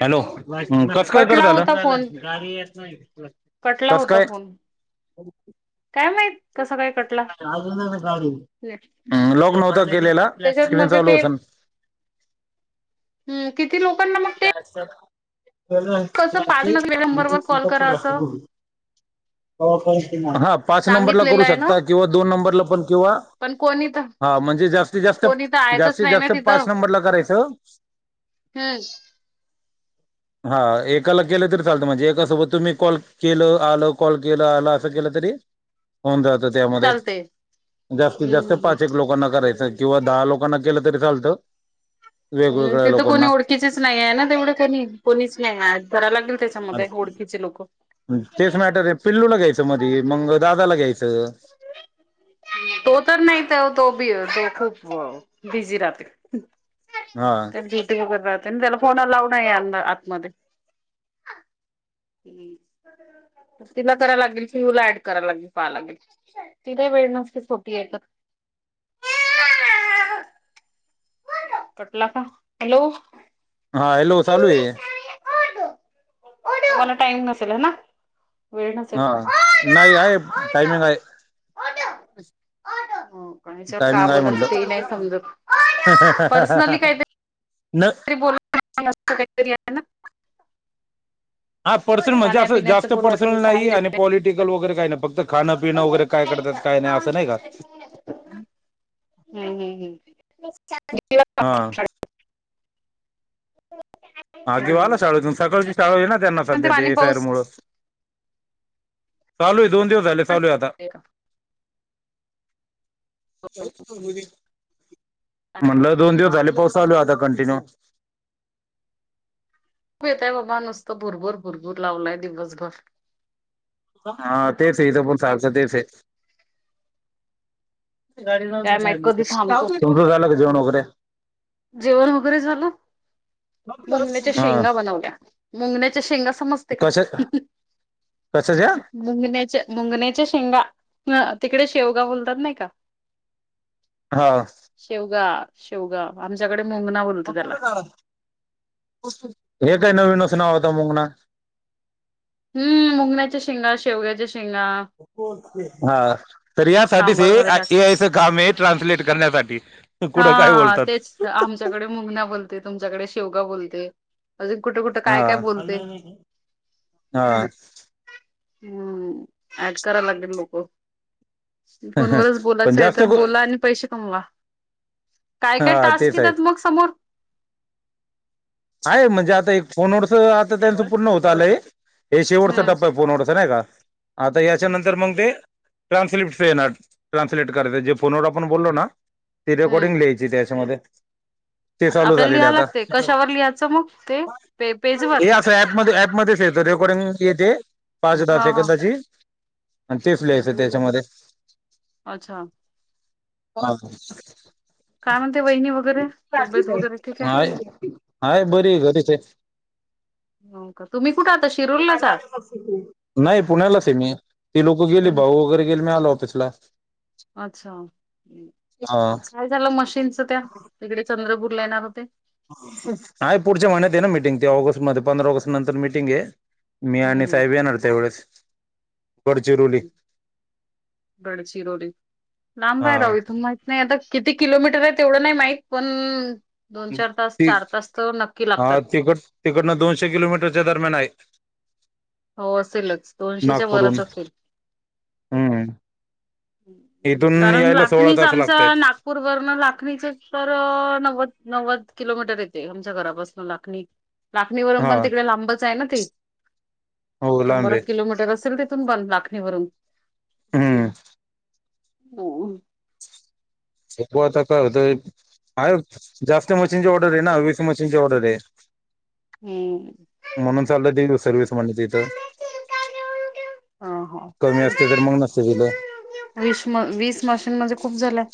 Hello! हां कस काय कट कटला झाल? होता फोन कटला होता फोन. [inaudible] काय माहित? कसं काय कटला हम्म लॉक नव्हता केलेला त्याच्यात स्क्रीन मध्ये चालू ते असल. हम्म किती लोकांना ते कसं पाल नंबरवर कॉल करा असं [unintelligible] [unintelligible] पाच नंबरला सांगितलेलं करू आहे ना शकता किंवा दोन नंबरला पण किंवा पण कोणी तर? हा म्हणजे जास्तीत जास्त, कोणी तर आहेतच जास्तीत नाही ना जास्त पाच तिथं नंबरला करायचं. हम्म. हा एकाला केलं तरी चालतं म्हणजे एकासोबत तुम्ही कॉल केलं, आलं, कॉल केलं, आलं, असं केलं तरी होऊन जात त्यामध्ये चालते जास्तीत जास्त पाचेक हम्म लोकांना करायचं किंवा दहा लोकांना केलं तरी चालतं. हम्म वेगवेगळ्या तिथं कोणी लोकांना ओळखीचेच नाही आहे ना तेवढं का नाही कोणीच नाही करायला लागेल त्याच्यामध्ये ओळखीचे लोक. मग तेच मॅटर आहे पिल्लूला घ्यायचं मधी मग दादाला घ्यायचं. तो तर नाही तर तो भी ख [unintelligible] बिझी राते हा तर बी. टीव्ही राह त्याला फोन लाव नाही अं आतमध्ये. ह तिला करा लागेल व्यूला ऍड कराय लागेल पहाव लागेल. तिलाही वेळ नसतं फोर्टी एट तक. कटला का हॅलो, हा हॅलो, चालू आहे. मला टाइम नसेल ह ना. वेळ नसेल. हा, नाही आहे टायमिंग आहे. हो का, याच्यावर का बोलायचं ते नाही समजत. ह ह ह ह ह, नाही. ब म [inaudible] काहीतरी आहे ना. हा पर्सनल म्हणजे खाण्यापिण्याचं जास्त बोलायचं पर्सनल नाही साडी आणि पॉलिटिकल वगैरे काही नाही फक्त खानापिंण वगैरे. काय करतात काय नाही असं नाही का हम. हम् हम् हम्. हा [inaudible] अगे वाला हम्म. शाळेत सकाळची शाळा ये ना त्यांना पण सध्या पाणी ते एफ आयर पाऊस मुळं. चालू आहे दोन दिवस झाले चालू आहे आता. का? म्हटलं दोन दिवस झाले पाऊस चालू आहे आता कंटिन्यू. खूप येतय बाबा नुसतं भुरभुर भुरभूर लावलाय दिवसभर. हा तेच इथे पण सारखं तेचय. गाडी ला तुमचं काय माहित कधी थांबतो झालं का जेवण वगैरे. जेवण वगैरे झालं. मुंगण्याच्या हा शेंगा बनवल्या मुंगण्याच्या शेंगा समजते का. कशा कशाच्या. मुंगण्याचे मुंगण्याच्या शेंगा तिकडे शेवगा बोलतात नाही का. हा, शेवगा शेवगा आमच्याकडे मुंगणा बोलतात. हे काय नवीनच नाव होत मुंगना. हम्म, मुंगण्याच्या शेंगा शेवग्याच्या शेंगा. हा तर यासाठीच हे सांबार मध्ये टाक ए आयच काम हे. ट्रान्सलेट करण्यासाठी. कुठं काय हा, बोलतात तेच आमच्याकडे मुंगना बोलते तुमच्याकडे शेवगा बोलते. अजून कुठे कुठे हा काय काय बोलते. हा हम्म, ऍड करावे लागेल लोक. फोनवरच पण बोलायचे आहे जास्त तर गो- बोला आणि पैसे कमवा. काय काय हा टास्क तेच आहे येतात मग समोर. आहे म्हणजे आता एक फोन वरच आता त्याच पूर्ण होत आलंय. हे शेवटचा हम्म टप्पा फोनवडचा नाही का आता याच्या नंतर मग ते. ट्रान्सलेट ना ट्रान्सलेट करते जे फोनवर आपण बोललो ना. ती हम्म रेकॉर्डिंग लिहायची त्याच्यामध्ये. ते चालू आपल्याला झालेले लिहाय आता लागते कशावर लिहायचं मग ते पे पे. हे असं ऍपमध्ये ऍपमध्येच येत रेकॉर्डिंग येते पाच दहा हा हा सेकंदाची. आणि तेच लिहायचे त्याच्यामध्ये. अच्छा. [inaudible] काय म्हणते वहिनी वगैरे तब्येत वगैरे ठीक आहे. हाय आहे बरीय, घरीच आहे. हाव का, तुम्ही कुठ [unintelligible] नाही पुण्यालाच आहे मी. ती लोक गेली पण भाऊ वगैरे गेले मी आलो ऑफिसला अच्छा, हा काय झालं मशीनच त्या तिकडे चंद्रपूर ला येणार होते. आहे पुढच्या महिन्यात आहे ना मिटिंग ते ऑगस्ट मध्ये पंधरा ऑगस्ट नंतर मिटिंग आहे. मी हम्म आणि साहेब येणार त्यावेळेस. गडचिरोली, लांब हा आहे राव इथून माहि नाही आता किती किलोमीटर आहे तेवढं नाही माहीत, पण दोन चार तास, ती चार तास तर नक्की हा लागतात. तिकड तिकडनं दोनशे किलोमीटरच्या दरम्यान आहे. हो असेलच दोनशेच्या नागपूरहून वरच असेल. हम्म इथून कारण यायला सोळा तास लथणीचांचा लागतायत ना गपूर लाखणीचे तर नव्वद नव्वद किलोमीटर येते आमच्या घरापासून लाखणी लाखणी वरून हा पण तिकडे लांबच आहे ना ते. हो शंभर लांबे एक किलोमीटर असेल तिथून पण लाखणीवरून हम्म. हो. थकवा आता कळतंय. आय जास्त मशीनची ऑर्डर आहे ना वीस मशीनची ऑर्डर आहे. हम्म! म्हणून चालोय देऊ सर्विस. [unintelligible] तिथ हा हा. कमी असते तर मग नसते तिथ. विश म वीस मशीन म्हणजे खूप झाल्या.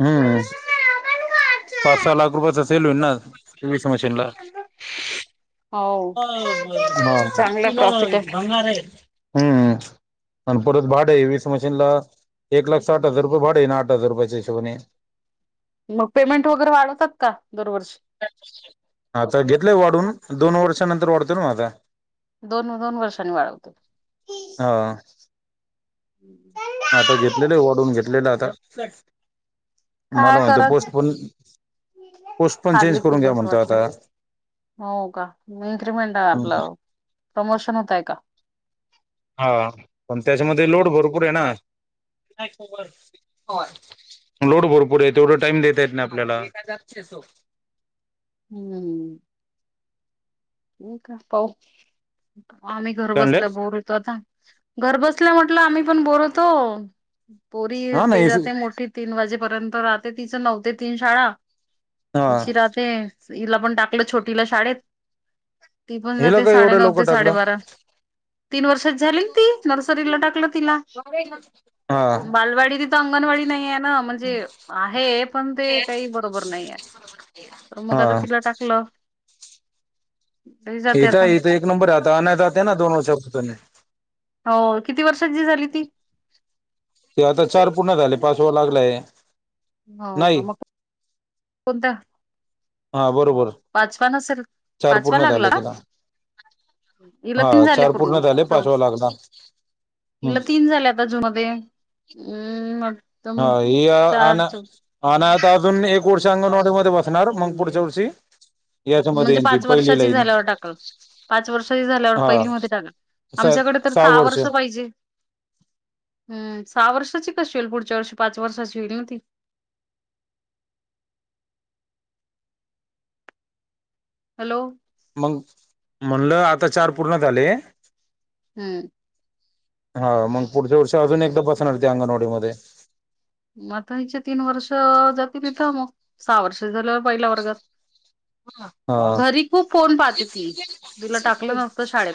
हम्म पाच सहा लाख रुपयाचा सेल होईल ना वीस मशीन ला. [inaudible] चांगला प्रॉफिट आहे. [inaudible] हम्म हम्म आणि परत भाड आहे वीस मशीन ला एक लाख साठ हजार रुपये भाडे आहे ना आठ हजार रुपयाच्या हिशोबने मग पेमेंट वगैरे वाढवतात का दरवर्षी? आता घेतलंय वाढून दोन वर्षानंतर वाढतोय ना आता. दोन, दोन वर्षांनी वाढवतो. हा. [inaudible] आता घेतलेलं वाढून घेतलेलं आता. काय मला म्हणतो कराच पोस्ट पण पोस्ट पण चेंज खाल्ली करून पिली घ्या असं म्हणतो वाटत आता. हो का [unintelligible] आपलं प्रमोशन होतय का? हा पण त्याच्यामध्ये लोड भरपूर आहे ना. लोड भरपूर आहे तेवढा टाइम देता येत नाय आपल्याला. हम्म! मी का पाहू आम्ही घर म्हणले बसल्या बोर आता घर बसल्या म्हटलं आम्ही पण बोर होतो. पोरी हा ते नाही जाते मोठी तीन वाजेपर्यंत राहते तिचं नव ते तीन शाळा हा हिची राहते हिला पण टाकलं छोटी ला शाळेत. ती पण हिला जाते काय एवढं साडेनऊ लवकर ते टाकलं साडेबारा. तीन वर्षाची झाली ना ती, नर्सरीला टाकलं तिला हा बालवाडी ता अंगणवाडी नाही आहे ना म्हणजे आहे पण ते काही बरोबर नाही आहे. मग हा आता तिला टाकलं. तरी जाते येत आता ईथ एक नंबर आता आणाय जाते ना दोन वर्षच्या पतने. हो किती वर्षाची झाली ती? ते आता चार पूर्ण झाले, पाचव लागलय. हो का मग कोणता? हा बरोबर. पाचवा नसेल चार पूर्ण झालं तिला. हीला हा तीन झाले चार पूर्ण झाले च पाचवा लागला हम्म हीला तीन झाले. जमध्ये हम्म मग हा हे आना हा ना आता अजून एक वर्षी अंगणवाडी मध्ये बसणार मग पुढच्या वर्षी याच्यामध्ये म्हणजे येईन ती पाच पहिलीला वर्षाची ईन. झाल्यावर टाकल पाच वर्षही झाल्यावर पहिली मध्ये टाका आमच्याकडे तर सहा वर्ष पाहिजे. हम सहा वर्षाची कशी होईल पुढच्या वर्षी पाच वर्षाची होईल ना ती? हॅलो मग म्हणलं आता चार पूर्ण झाले हम्म हा मग पुढच्या वर्षी अजून एकदा बसणार ते अंगणवाडी मध्ये. म आता हिचे तीन वर्ष जातील इथ मग सहा वर्ष झाल्यावर पहिल्या वर्गात, हा घरी खूप फोन पाहते ती, तिला टाकलं नवत शाळेत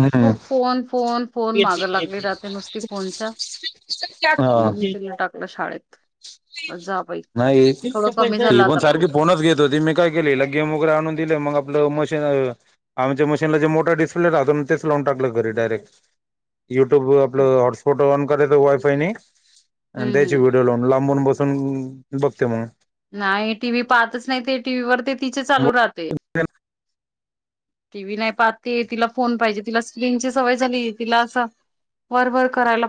हम्म खूप फोन फोन फोन मागं लागली राहते नुसती फोनच्या हा इंग्रजीला टाकल शाळेत. जा बाई नाही थोडं कमी झालं आता पण, गेले हिला गेम वगैरे आणून दिले मग आपलं मशी आमच्या मशीनला जे मोठ डिस्प्ले राहतो तेच लावून टाकलं घरी डायरेक्ट युट्यूब आपलं हम्म हॉटस्पॉट ऑन करायच वायफायनी आणि द्यायची हम्म गुड लाऊन लांबून बसून बघते मग, नाही टीव्ही पाहतच नाही ते टीव्ही वर ते तिचे चालू राहते. टी व्ही नाही पाहत ती तिला फोन पाहिजे, तिला स्क्रीनची सवय झाली तिला असा वर वर करायला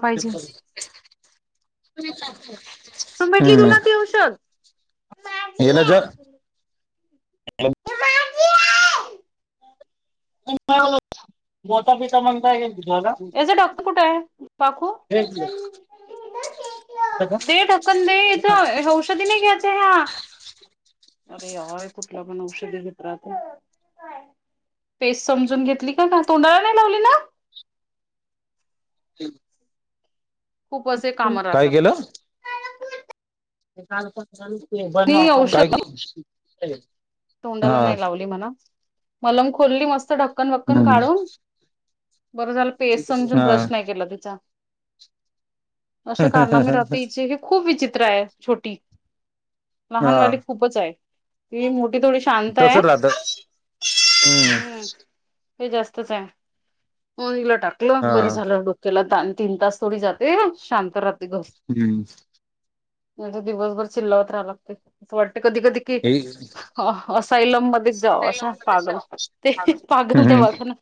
कुठून भेटली हम्म तुला ती औषध? येला जर, [unintelligible] याचा डॉक्टर कुठे आहे? पाखू, दे ढक्कन दे याच औषधी नाही घ्यायच ह्या. अरे हय कुठल्या पण औषधी घेत राहते. पेस्ट समजून घेतली का का? तोंडाला नाही लावली ना? ह. खूप असे काम काय राहतात. काल पण चालू होत की, बंद आणि नव्हत औषध काय? तोंडाला हा नाही लावली म्हणा. मलम खोलली मस्त ढक्कन वक्कन हम्म काढून. बरं झालं. पेस्ट समजून ब्रश हा नाही केला तिचा. असे कारनामे राहते हिचे. ही खूप विचित्र आहे छोटी. लहान वाली हा खूपच आहे. ती मोठी थोडीशी शांत आहे. तसं राहत हम्म हं. ही जास्तच आहे. पोरीला टाकलं हा बरं झालं बघ. त्याला तान तीन तास थोडी जाते. शांत राहते घर. हम्म नाही दिवसभर चिल्लावत राहाय लागते. असं वाटत कधी कधी की, तिघ जणी हा हा हसाइलम मध्येच जाव असं वाटत आग. ते पागल हम्म दवाखाना.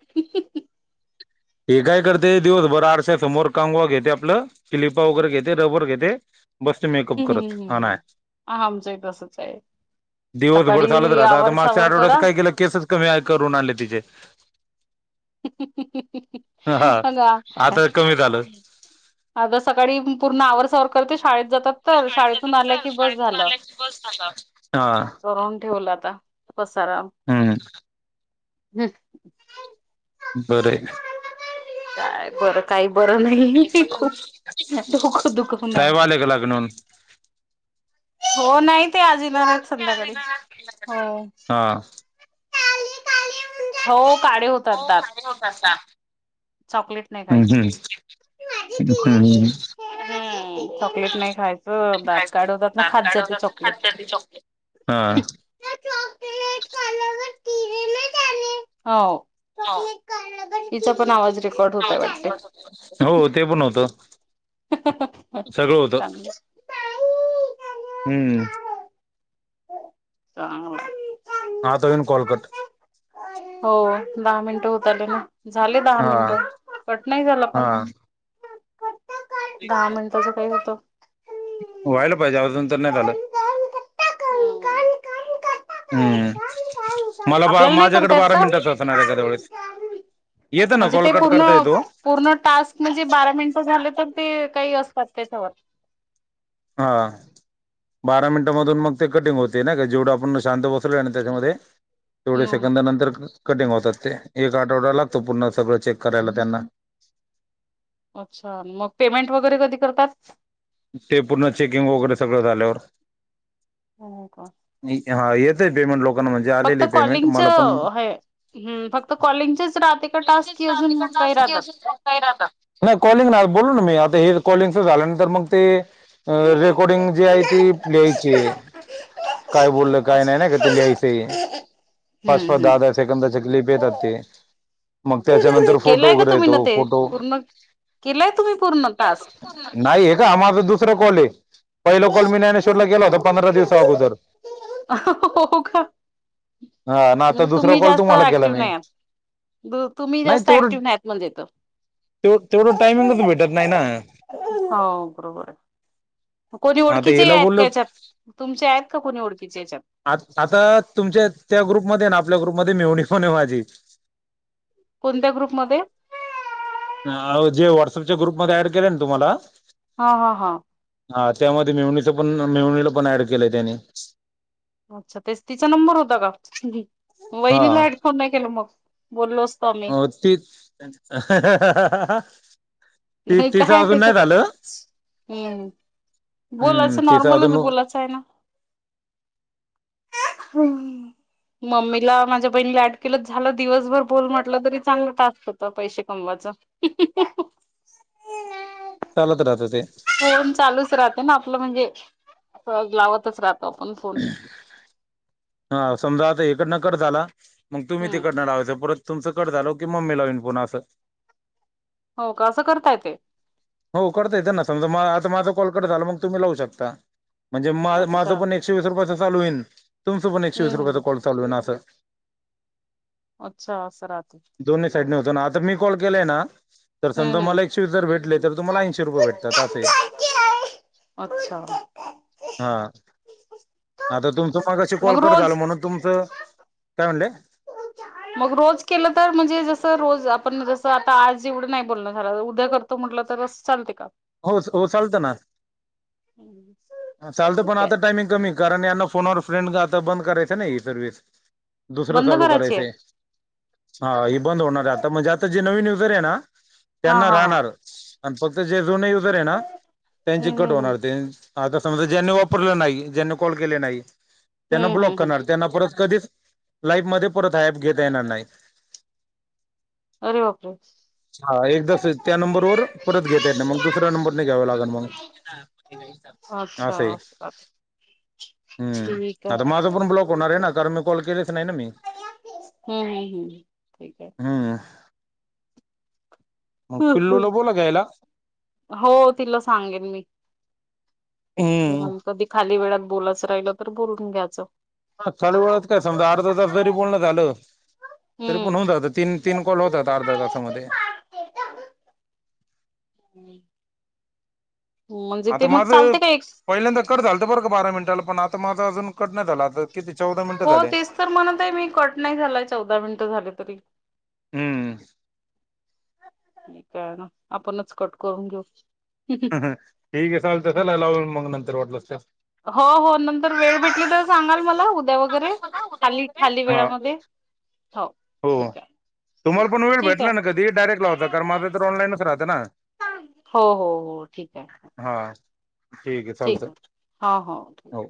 हि काय करते दिवस भर आरश्यासमोर कंगवा घेते. आपलं क्लिपा वगैरे घेते. रबर घेते. बसते मेकअप करत. हम्म हा हम्म नाय. हा आमचंही तसंच आहे दिवसभर चालत सकाळी राहता. आता मागच्या आवरसावर आठवड्यात करा. काय केल, केसच कमी आहे करून आणले तिचे. हा अगं वा हा. आता कमी झालं आता सकाळी पूर्ण आवरसावर करते शाळेत जातात तर शाळेतून आल्या कि बस झालं. हा करवून ठेवलं आता पसारा. हम्म. हम्. बरय. काय बरं. काही बरं नाही. खूप डोक दुखुन आहे. साहेब आले का लागून हो. नाही ते आज येणार आहेत संध्याकाळी हो. हा हो. काढे होत हो काढे होऊन जातात. चॉकलेट नाही खायचे. दुखायलय. हम्म. चॉकलेट नाही खायचं. दात काढवतात ना खात जाते चॉकले खात जाते चॉकलेट. हा. म्या चॉकलेट कळवल तिने नाही झाले. हो. हा. हिचा पण आवाज रेकॉ आवाज रेकॉर्ड होते वाटत. हो ते पण होत. सगळ होत. चांगलं चांगलं हम्म. चांगलय. आत अजून कॉल कट. हो. दहा मिनिट होत आले ना. झाले दहा हा मिनिट. कट नाही झाला हा फोन. दहा मिनिटच काही होतं. व्हायला पाहिजे. आजून तर नाही झालं. हम्म मला बा आपल्याला नाही माझ्याकडे करता येत बारा का? मिनटातच असणार आहे एखाद्या वेळेस येत ना म्हणजे कॉल ते कट पूर्ण करता येतो पूर्ण टास्क म्हणजे बारा मिनिटं झाले तर ते काही असतात त्याच्यावर हा बारा मिनिटामधून मग ते कटिंग होते ना का जेवढं आपण शांत बसलो आणि त्याच्यामध्ये तेवढे हम्म सेकंद नंतर कटिंग होतात ते एक आठवडा लागतो पुूर्ण सगळं चेक करायला त्यांना अच्छा मग पेमेंट वगैरे कधी करतात ते पूर्ण चेकिंग वगैरे सगळं झाल्यावर [unintelligible] हा येतय पेमेंट लव फक्त कॉलिंगचं हे फक्त कॉलिंगचच राहते का टास्क की अजून काही राहतात नाही कॉलिंग नाही बोलू ना मी आता हे कॉलिंग झाल्यानंतर मग ते अ रेकॉर्डिंग जी आहे ती लिहायची आहे काय बोललं काय अच्छा नाही ना का ते लिहायचंय हम्म, हम्म सेकंदाचे क्लिप येतात ते मग त्याच्यानंतर फोटो केलंय का वगैरे तुम्ही ना येतो ते फोटो पूर्ण केलंय तुम्ही पूर्ण टास्क? नाही हे का माझा दुसरा कॉले पहिल कॉ मी ज्ञानेश्वरला केला होता पंधरा दिवस अगोदर हो का हा ना आता म्हणजे दुसरा तुम्ही कॉल जास्त तुम्हाला केला ऍक्टिव्ह मी नाही आहात तुम्ही नाही जास्त तेवढं ऍक्टिव्ह नाही आहात म्हणजे इथं. ते तेवढं टाइमिंगच भेटत नाही ना हो बरोबर कोणी आता ओळखीचे हिला आहेत का बोललो याच्यात तुमचे आहेत का कोणी ओळखीचे याच्यात आ आता तुमच्या त्या ग्रुपमध्ये ना आपल्या ग्रुपमध्ये मेव्हणी पण आहे माझी कोणत्या ग्रुप मध्ये आओ जे व्हॉट्सअपच्या ग्रुपमध्ये ॲड केलय तुम्हाला हा, हा, हा हा त्यामध्ये मेव्हणीच पण मेव्हणीला पण ऍड केलंय त्यानी अच्छा तेच तिचा नंबर होता का हा वहिनीला का ॲड केलं मग बोललो अस कमी तेच हा, हा, हा ती हे काय तिच आहे अजून नाही झालं त्याच्यात हम्म हम्म बोलायचं तीच अजुन नॉर्मलच नो बोलायचं आहे हम्म मम्मीला माझ्या बहिणी आट केलं झालं दिवसभर बोल म्हटलं तरी चांगलं टास्क होतं पैसे कमवायचं हा, हा, हा, हा चालत राहत ते फोन चालूच राहते ना आपलं म्हणजे स लावतच राहतो आपण फोन हा समजा आता इकडन कट झाला मग तुम्ही हम्म तिकड़न लावायचं परत तुमचं कट झालं की मग मी लावीन पण असं हो का असं करता येतय हो करता येत ना समजा आता माझा कॉल कट झाला मग तुम्ही लावू शकता म्हणजे मा अच्छा माझं पण एकशे वीस रुपयाच चालू होईन तुमचं पण एकशे वीस हम्म रुपयाचं हम्म कॉल चालू होईन असं अच्छा अस राहते दोन्ही साईडने होतो नां आंता मी कॉल केलांय नां तरं हम्म समजां हम्म. मलां एकशे विस भेटलेतं तुम्हांला ऐंशी रुपये भेटतांते असं आहे अच्छा. हां तरं तुमचं मंगा अशी कॉल मग करं रोज झालं म्हणूंन तुमचं कायं म्हणलं मंग रोज केलं तरं म्हणजे जसं रोज आपणं जसं आंता आंज जेवढं नाहीं बोलणं झालं उद्यां करतो तो म्हटलं तरं असं चालते कां हो चालतं नां हम्मं चालतं पणं आंता टायमिंग कमी कारणं यांना फोनवरं फ्रेंड आंता बंद करायचं नी हे सर्विस दुसरं बंद चालूं करायची करायचं आहे हां हे बंद होणारं आहे आंता म्हणजे आंता जे नवीन युजर्स आहे नां हा त्यांना हा हा राहणांर आणि फक्तं जे जुने युजरे आहे नां त्यांचे हम्म ते हम्म कंट हम्म होणारं ते आंता समजां ज्यांनी वापरलं नाहीं ज्यांनी कॉल केले नाहीं त्यांना हम्म ब्लॉक हम्म हम्म करणारं त्यांना परंत कधीचं लाईफ मध्यें परंत ही ऍप घेतां येणारं नाहीं अरे बापरे हां एकदां त्यां नंबर वरं परंत घेतां येतं नाहीं मंग दुसऱ्यां नंबर नाहीं घ्यांवा लागेल मंग हं अच्छा असं हे राहते ठीक हम्मं आहे. आंता माझं पणं ब्लॉक होणारं आहे नां कारणं मी कॉल केलेचं नाहीं नां मी हम्मं हम्मं ठीक आहे हम्मं मंग पिल्लूंला बोलां घ्यायला हो तिलां सांगेल मी हम्मं ते म्हंणे कधीं खाली वेळांत बोलायंच राहिलं तरं बोलूंन घ्यायचं हं चालूंवळतं कायं समजां अर्धा तांस जरी बोलणं झालं तरी पणं हम्म. होऊंन जातं तीन तीनं कॉल होतांत अर्ध्या तासांमध्यें नाहीं आंता माझं पहिल्यांदा कंट झालं तरं बरं कां बारा मिनिटांला पणं आंता माझं अजूंन कंट नाहीं झालं आंता किती चौदा मिनीटे हो तेचं तरं म्हणते आहे मी कंट नाहीं झालायं चौदा मिनिटं झालं तरी हम्मं ठीकं आहे नां आपणंच कंट करूंन घेऊं हम्मं हम्मं हे सवलते सलां लां मगंनंतर म्हटलं असं हो हो नंतर वेळं भेटली तरं सांगाल मलां उद्यां वगैरें खांली खांली हा. वेळांमध्यें हांव ठीकं आहे तुम्हांला पणं वेळं ठीक आहे. भेटलां नां कधीं डायरेक्ट लावजां कारणं माझं तरं ऑनलाईनचं राहंत नां पणं हो हो हो ठीकं आहे. हां ठीकं आहे चालतं हो.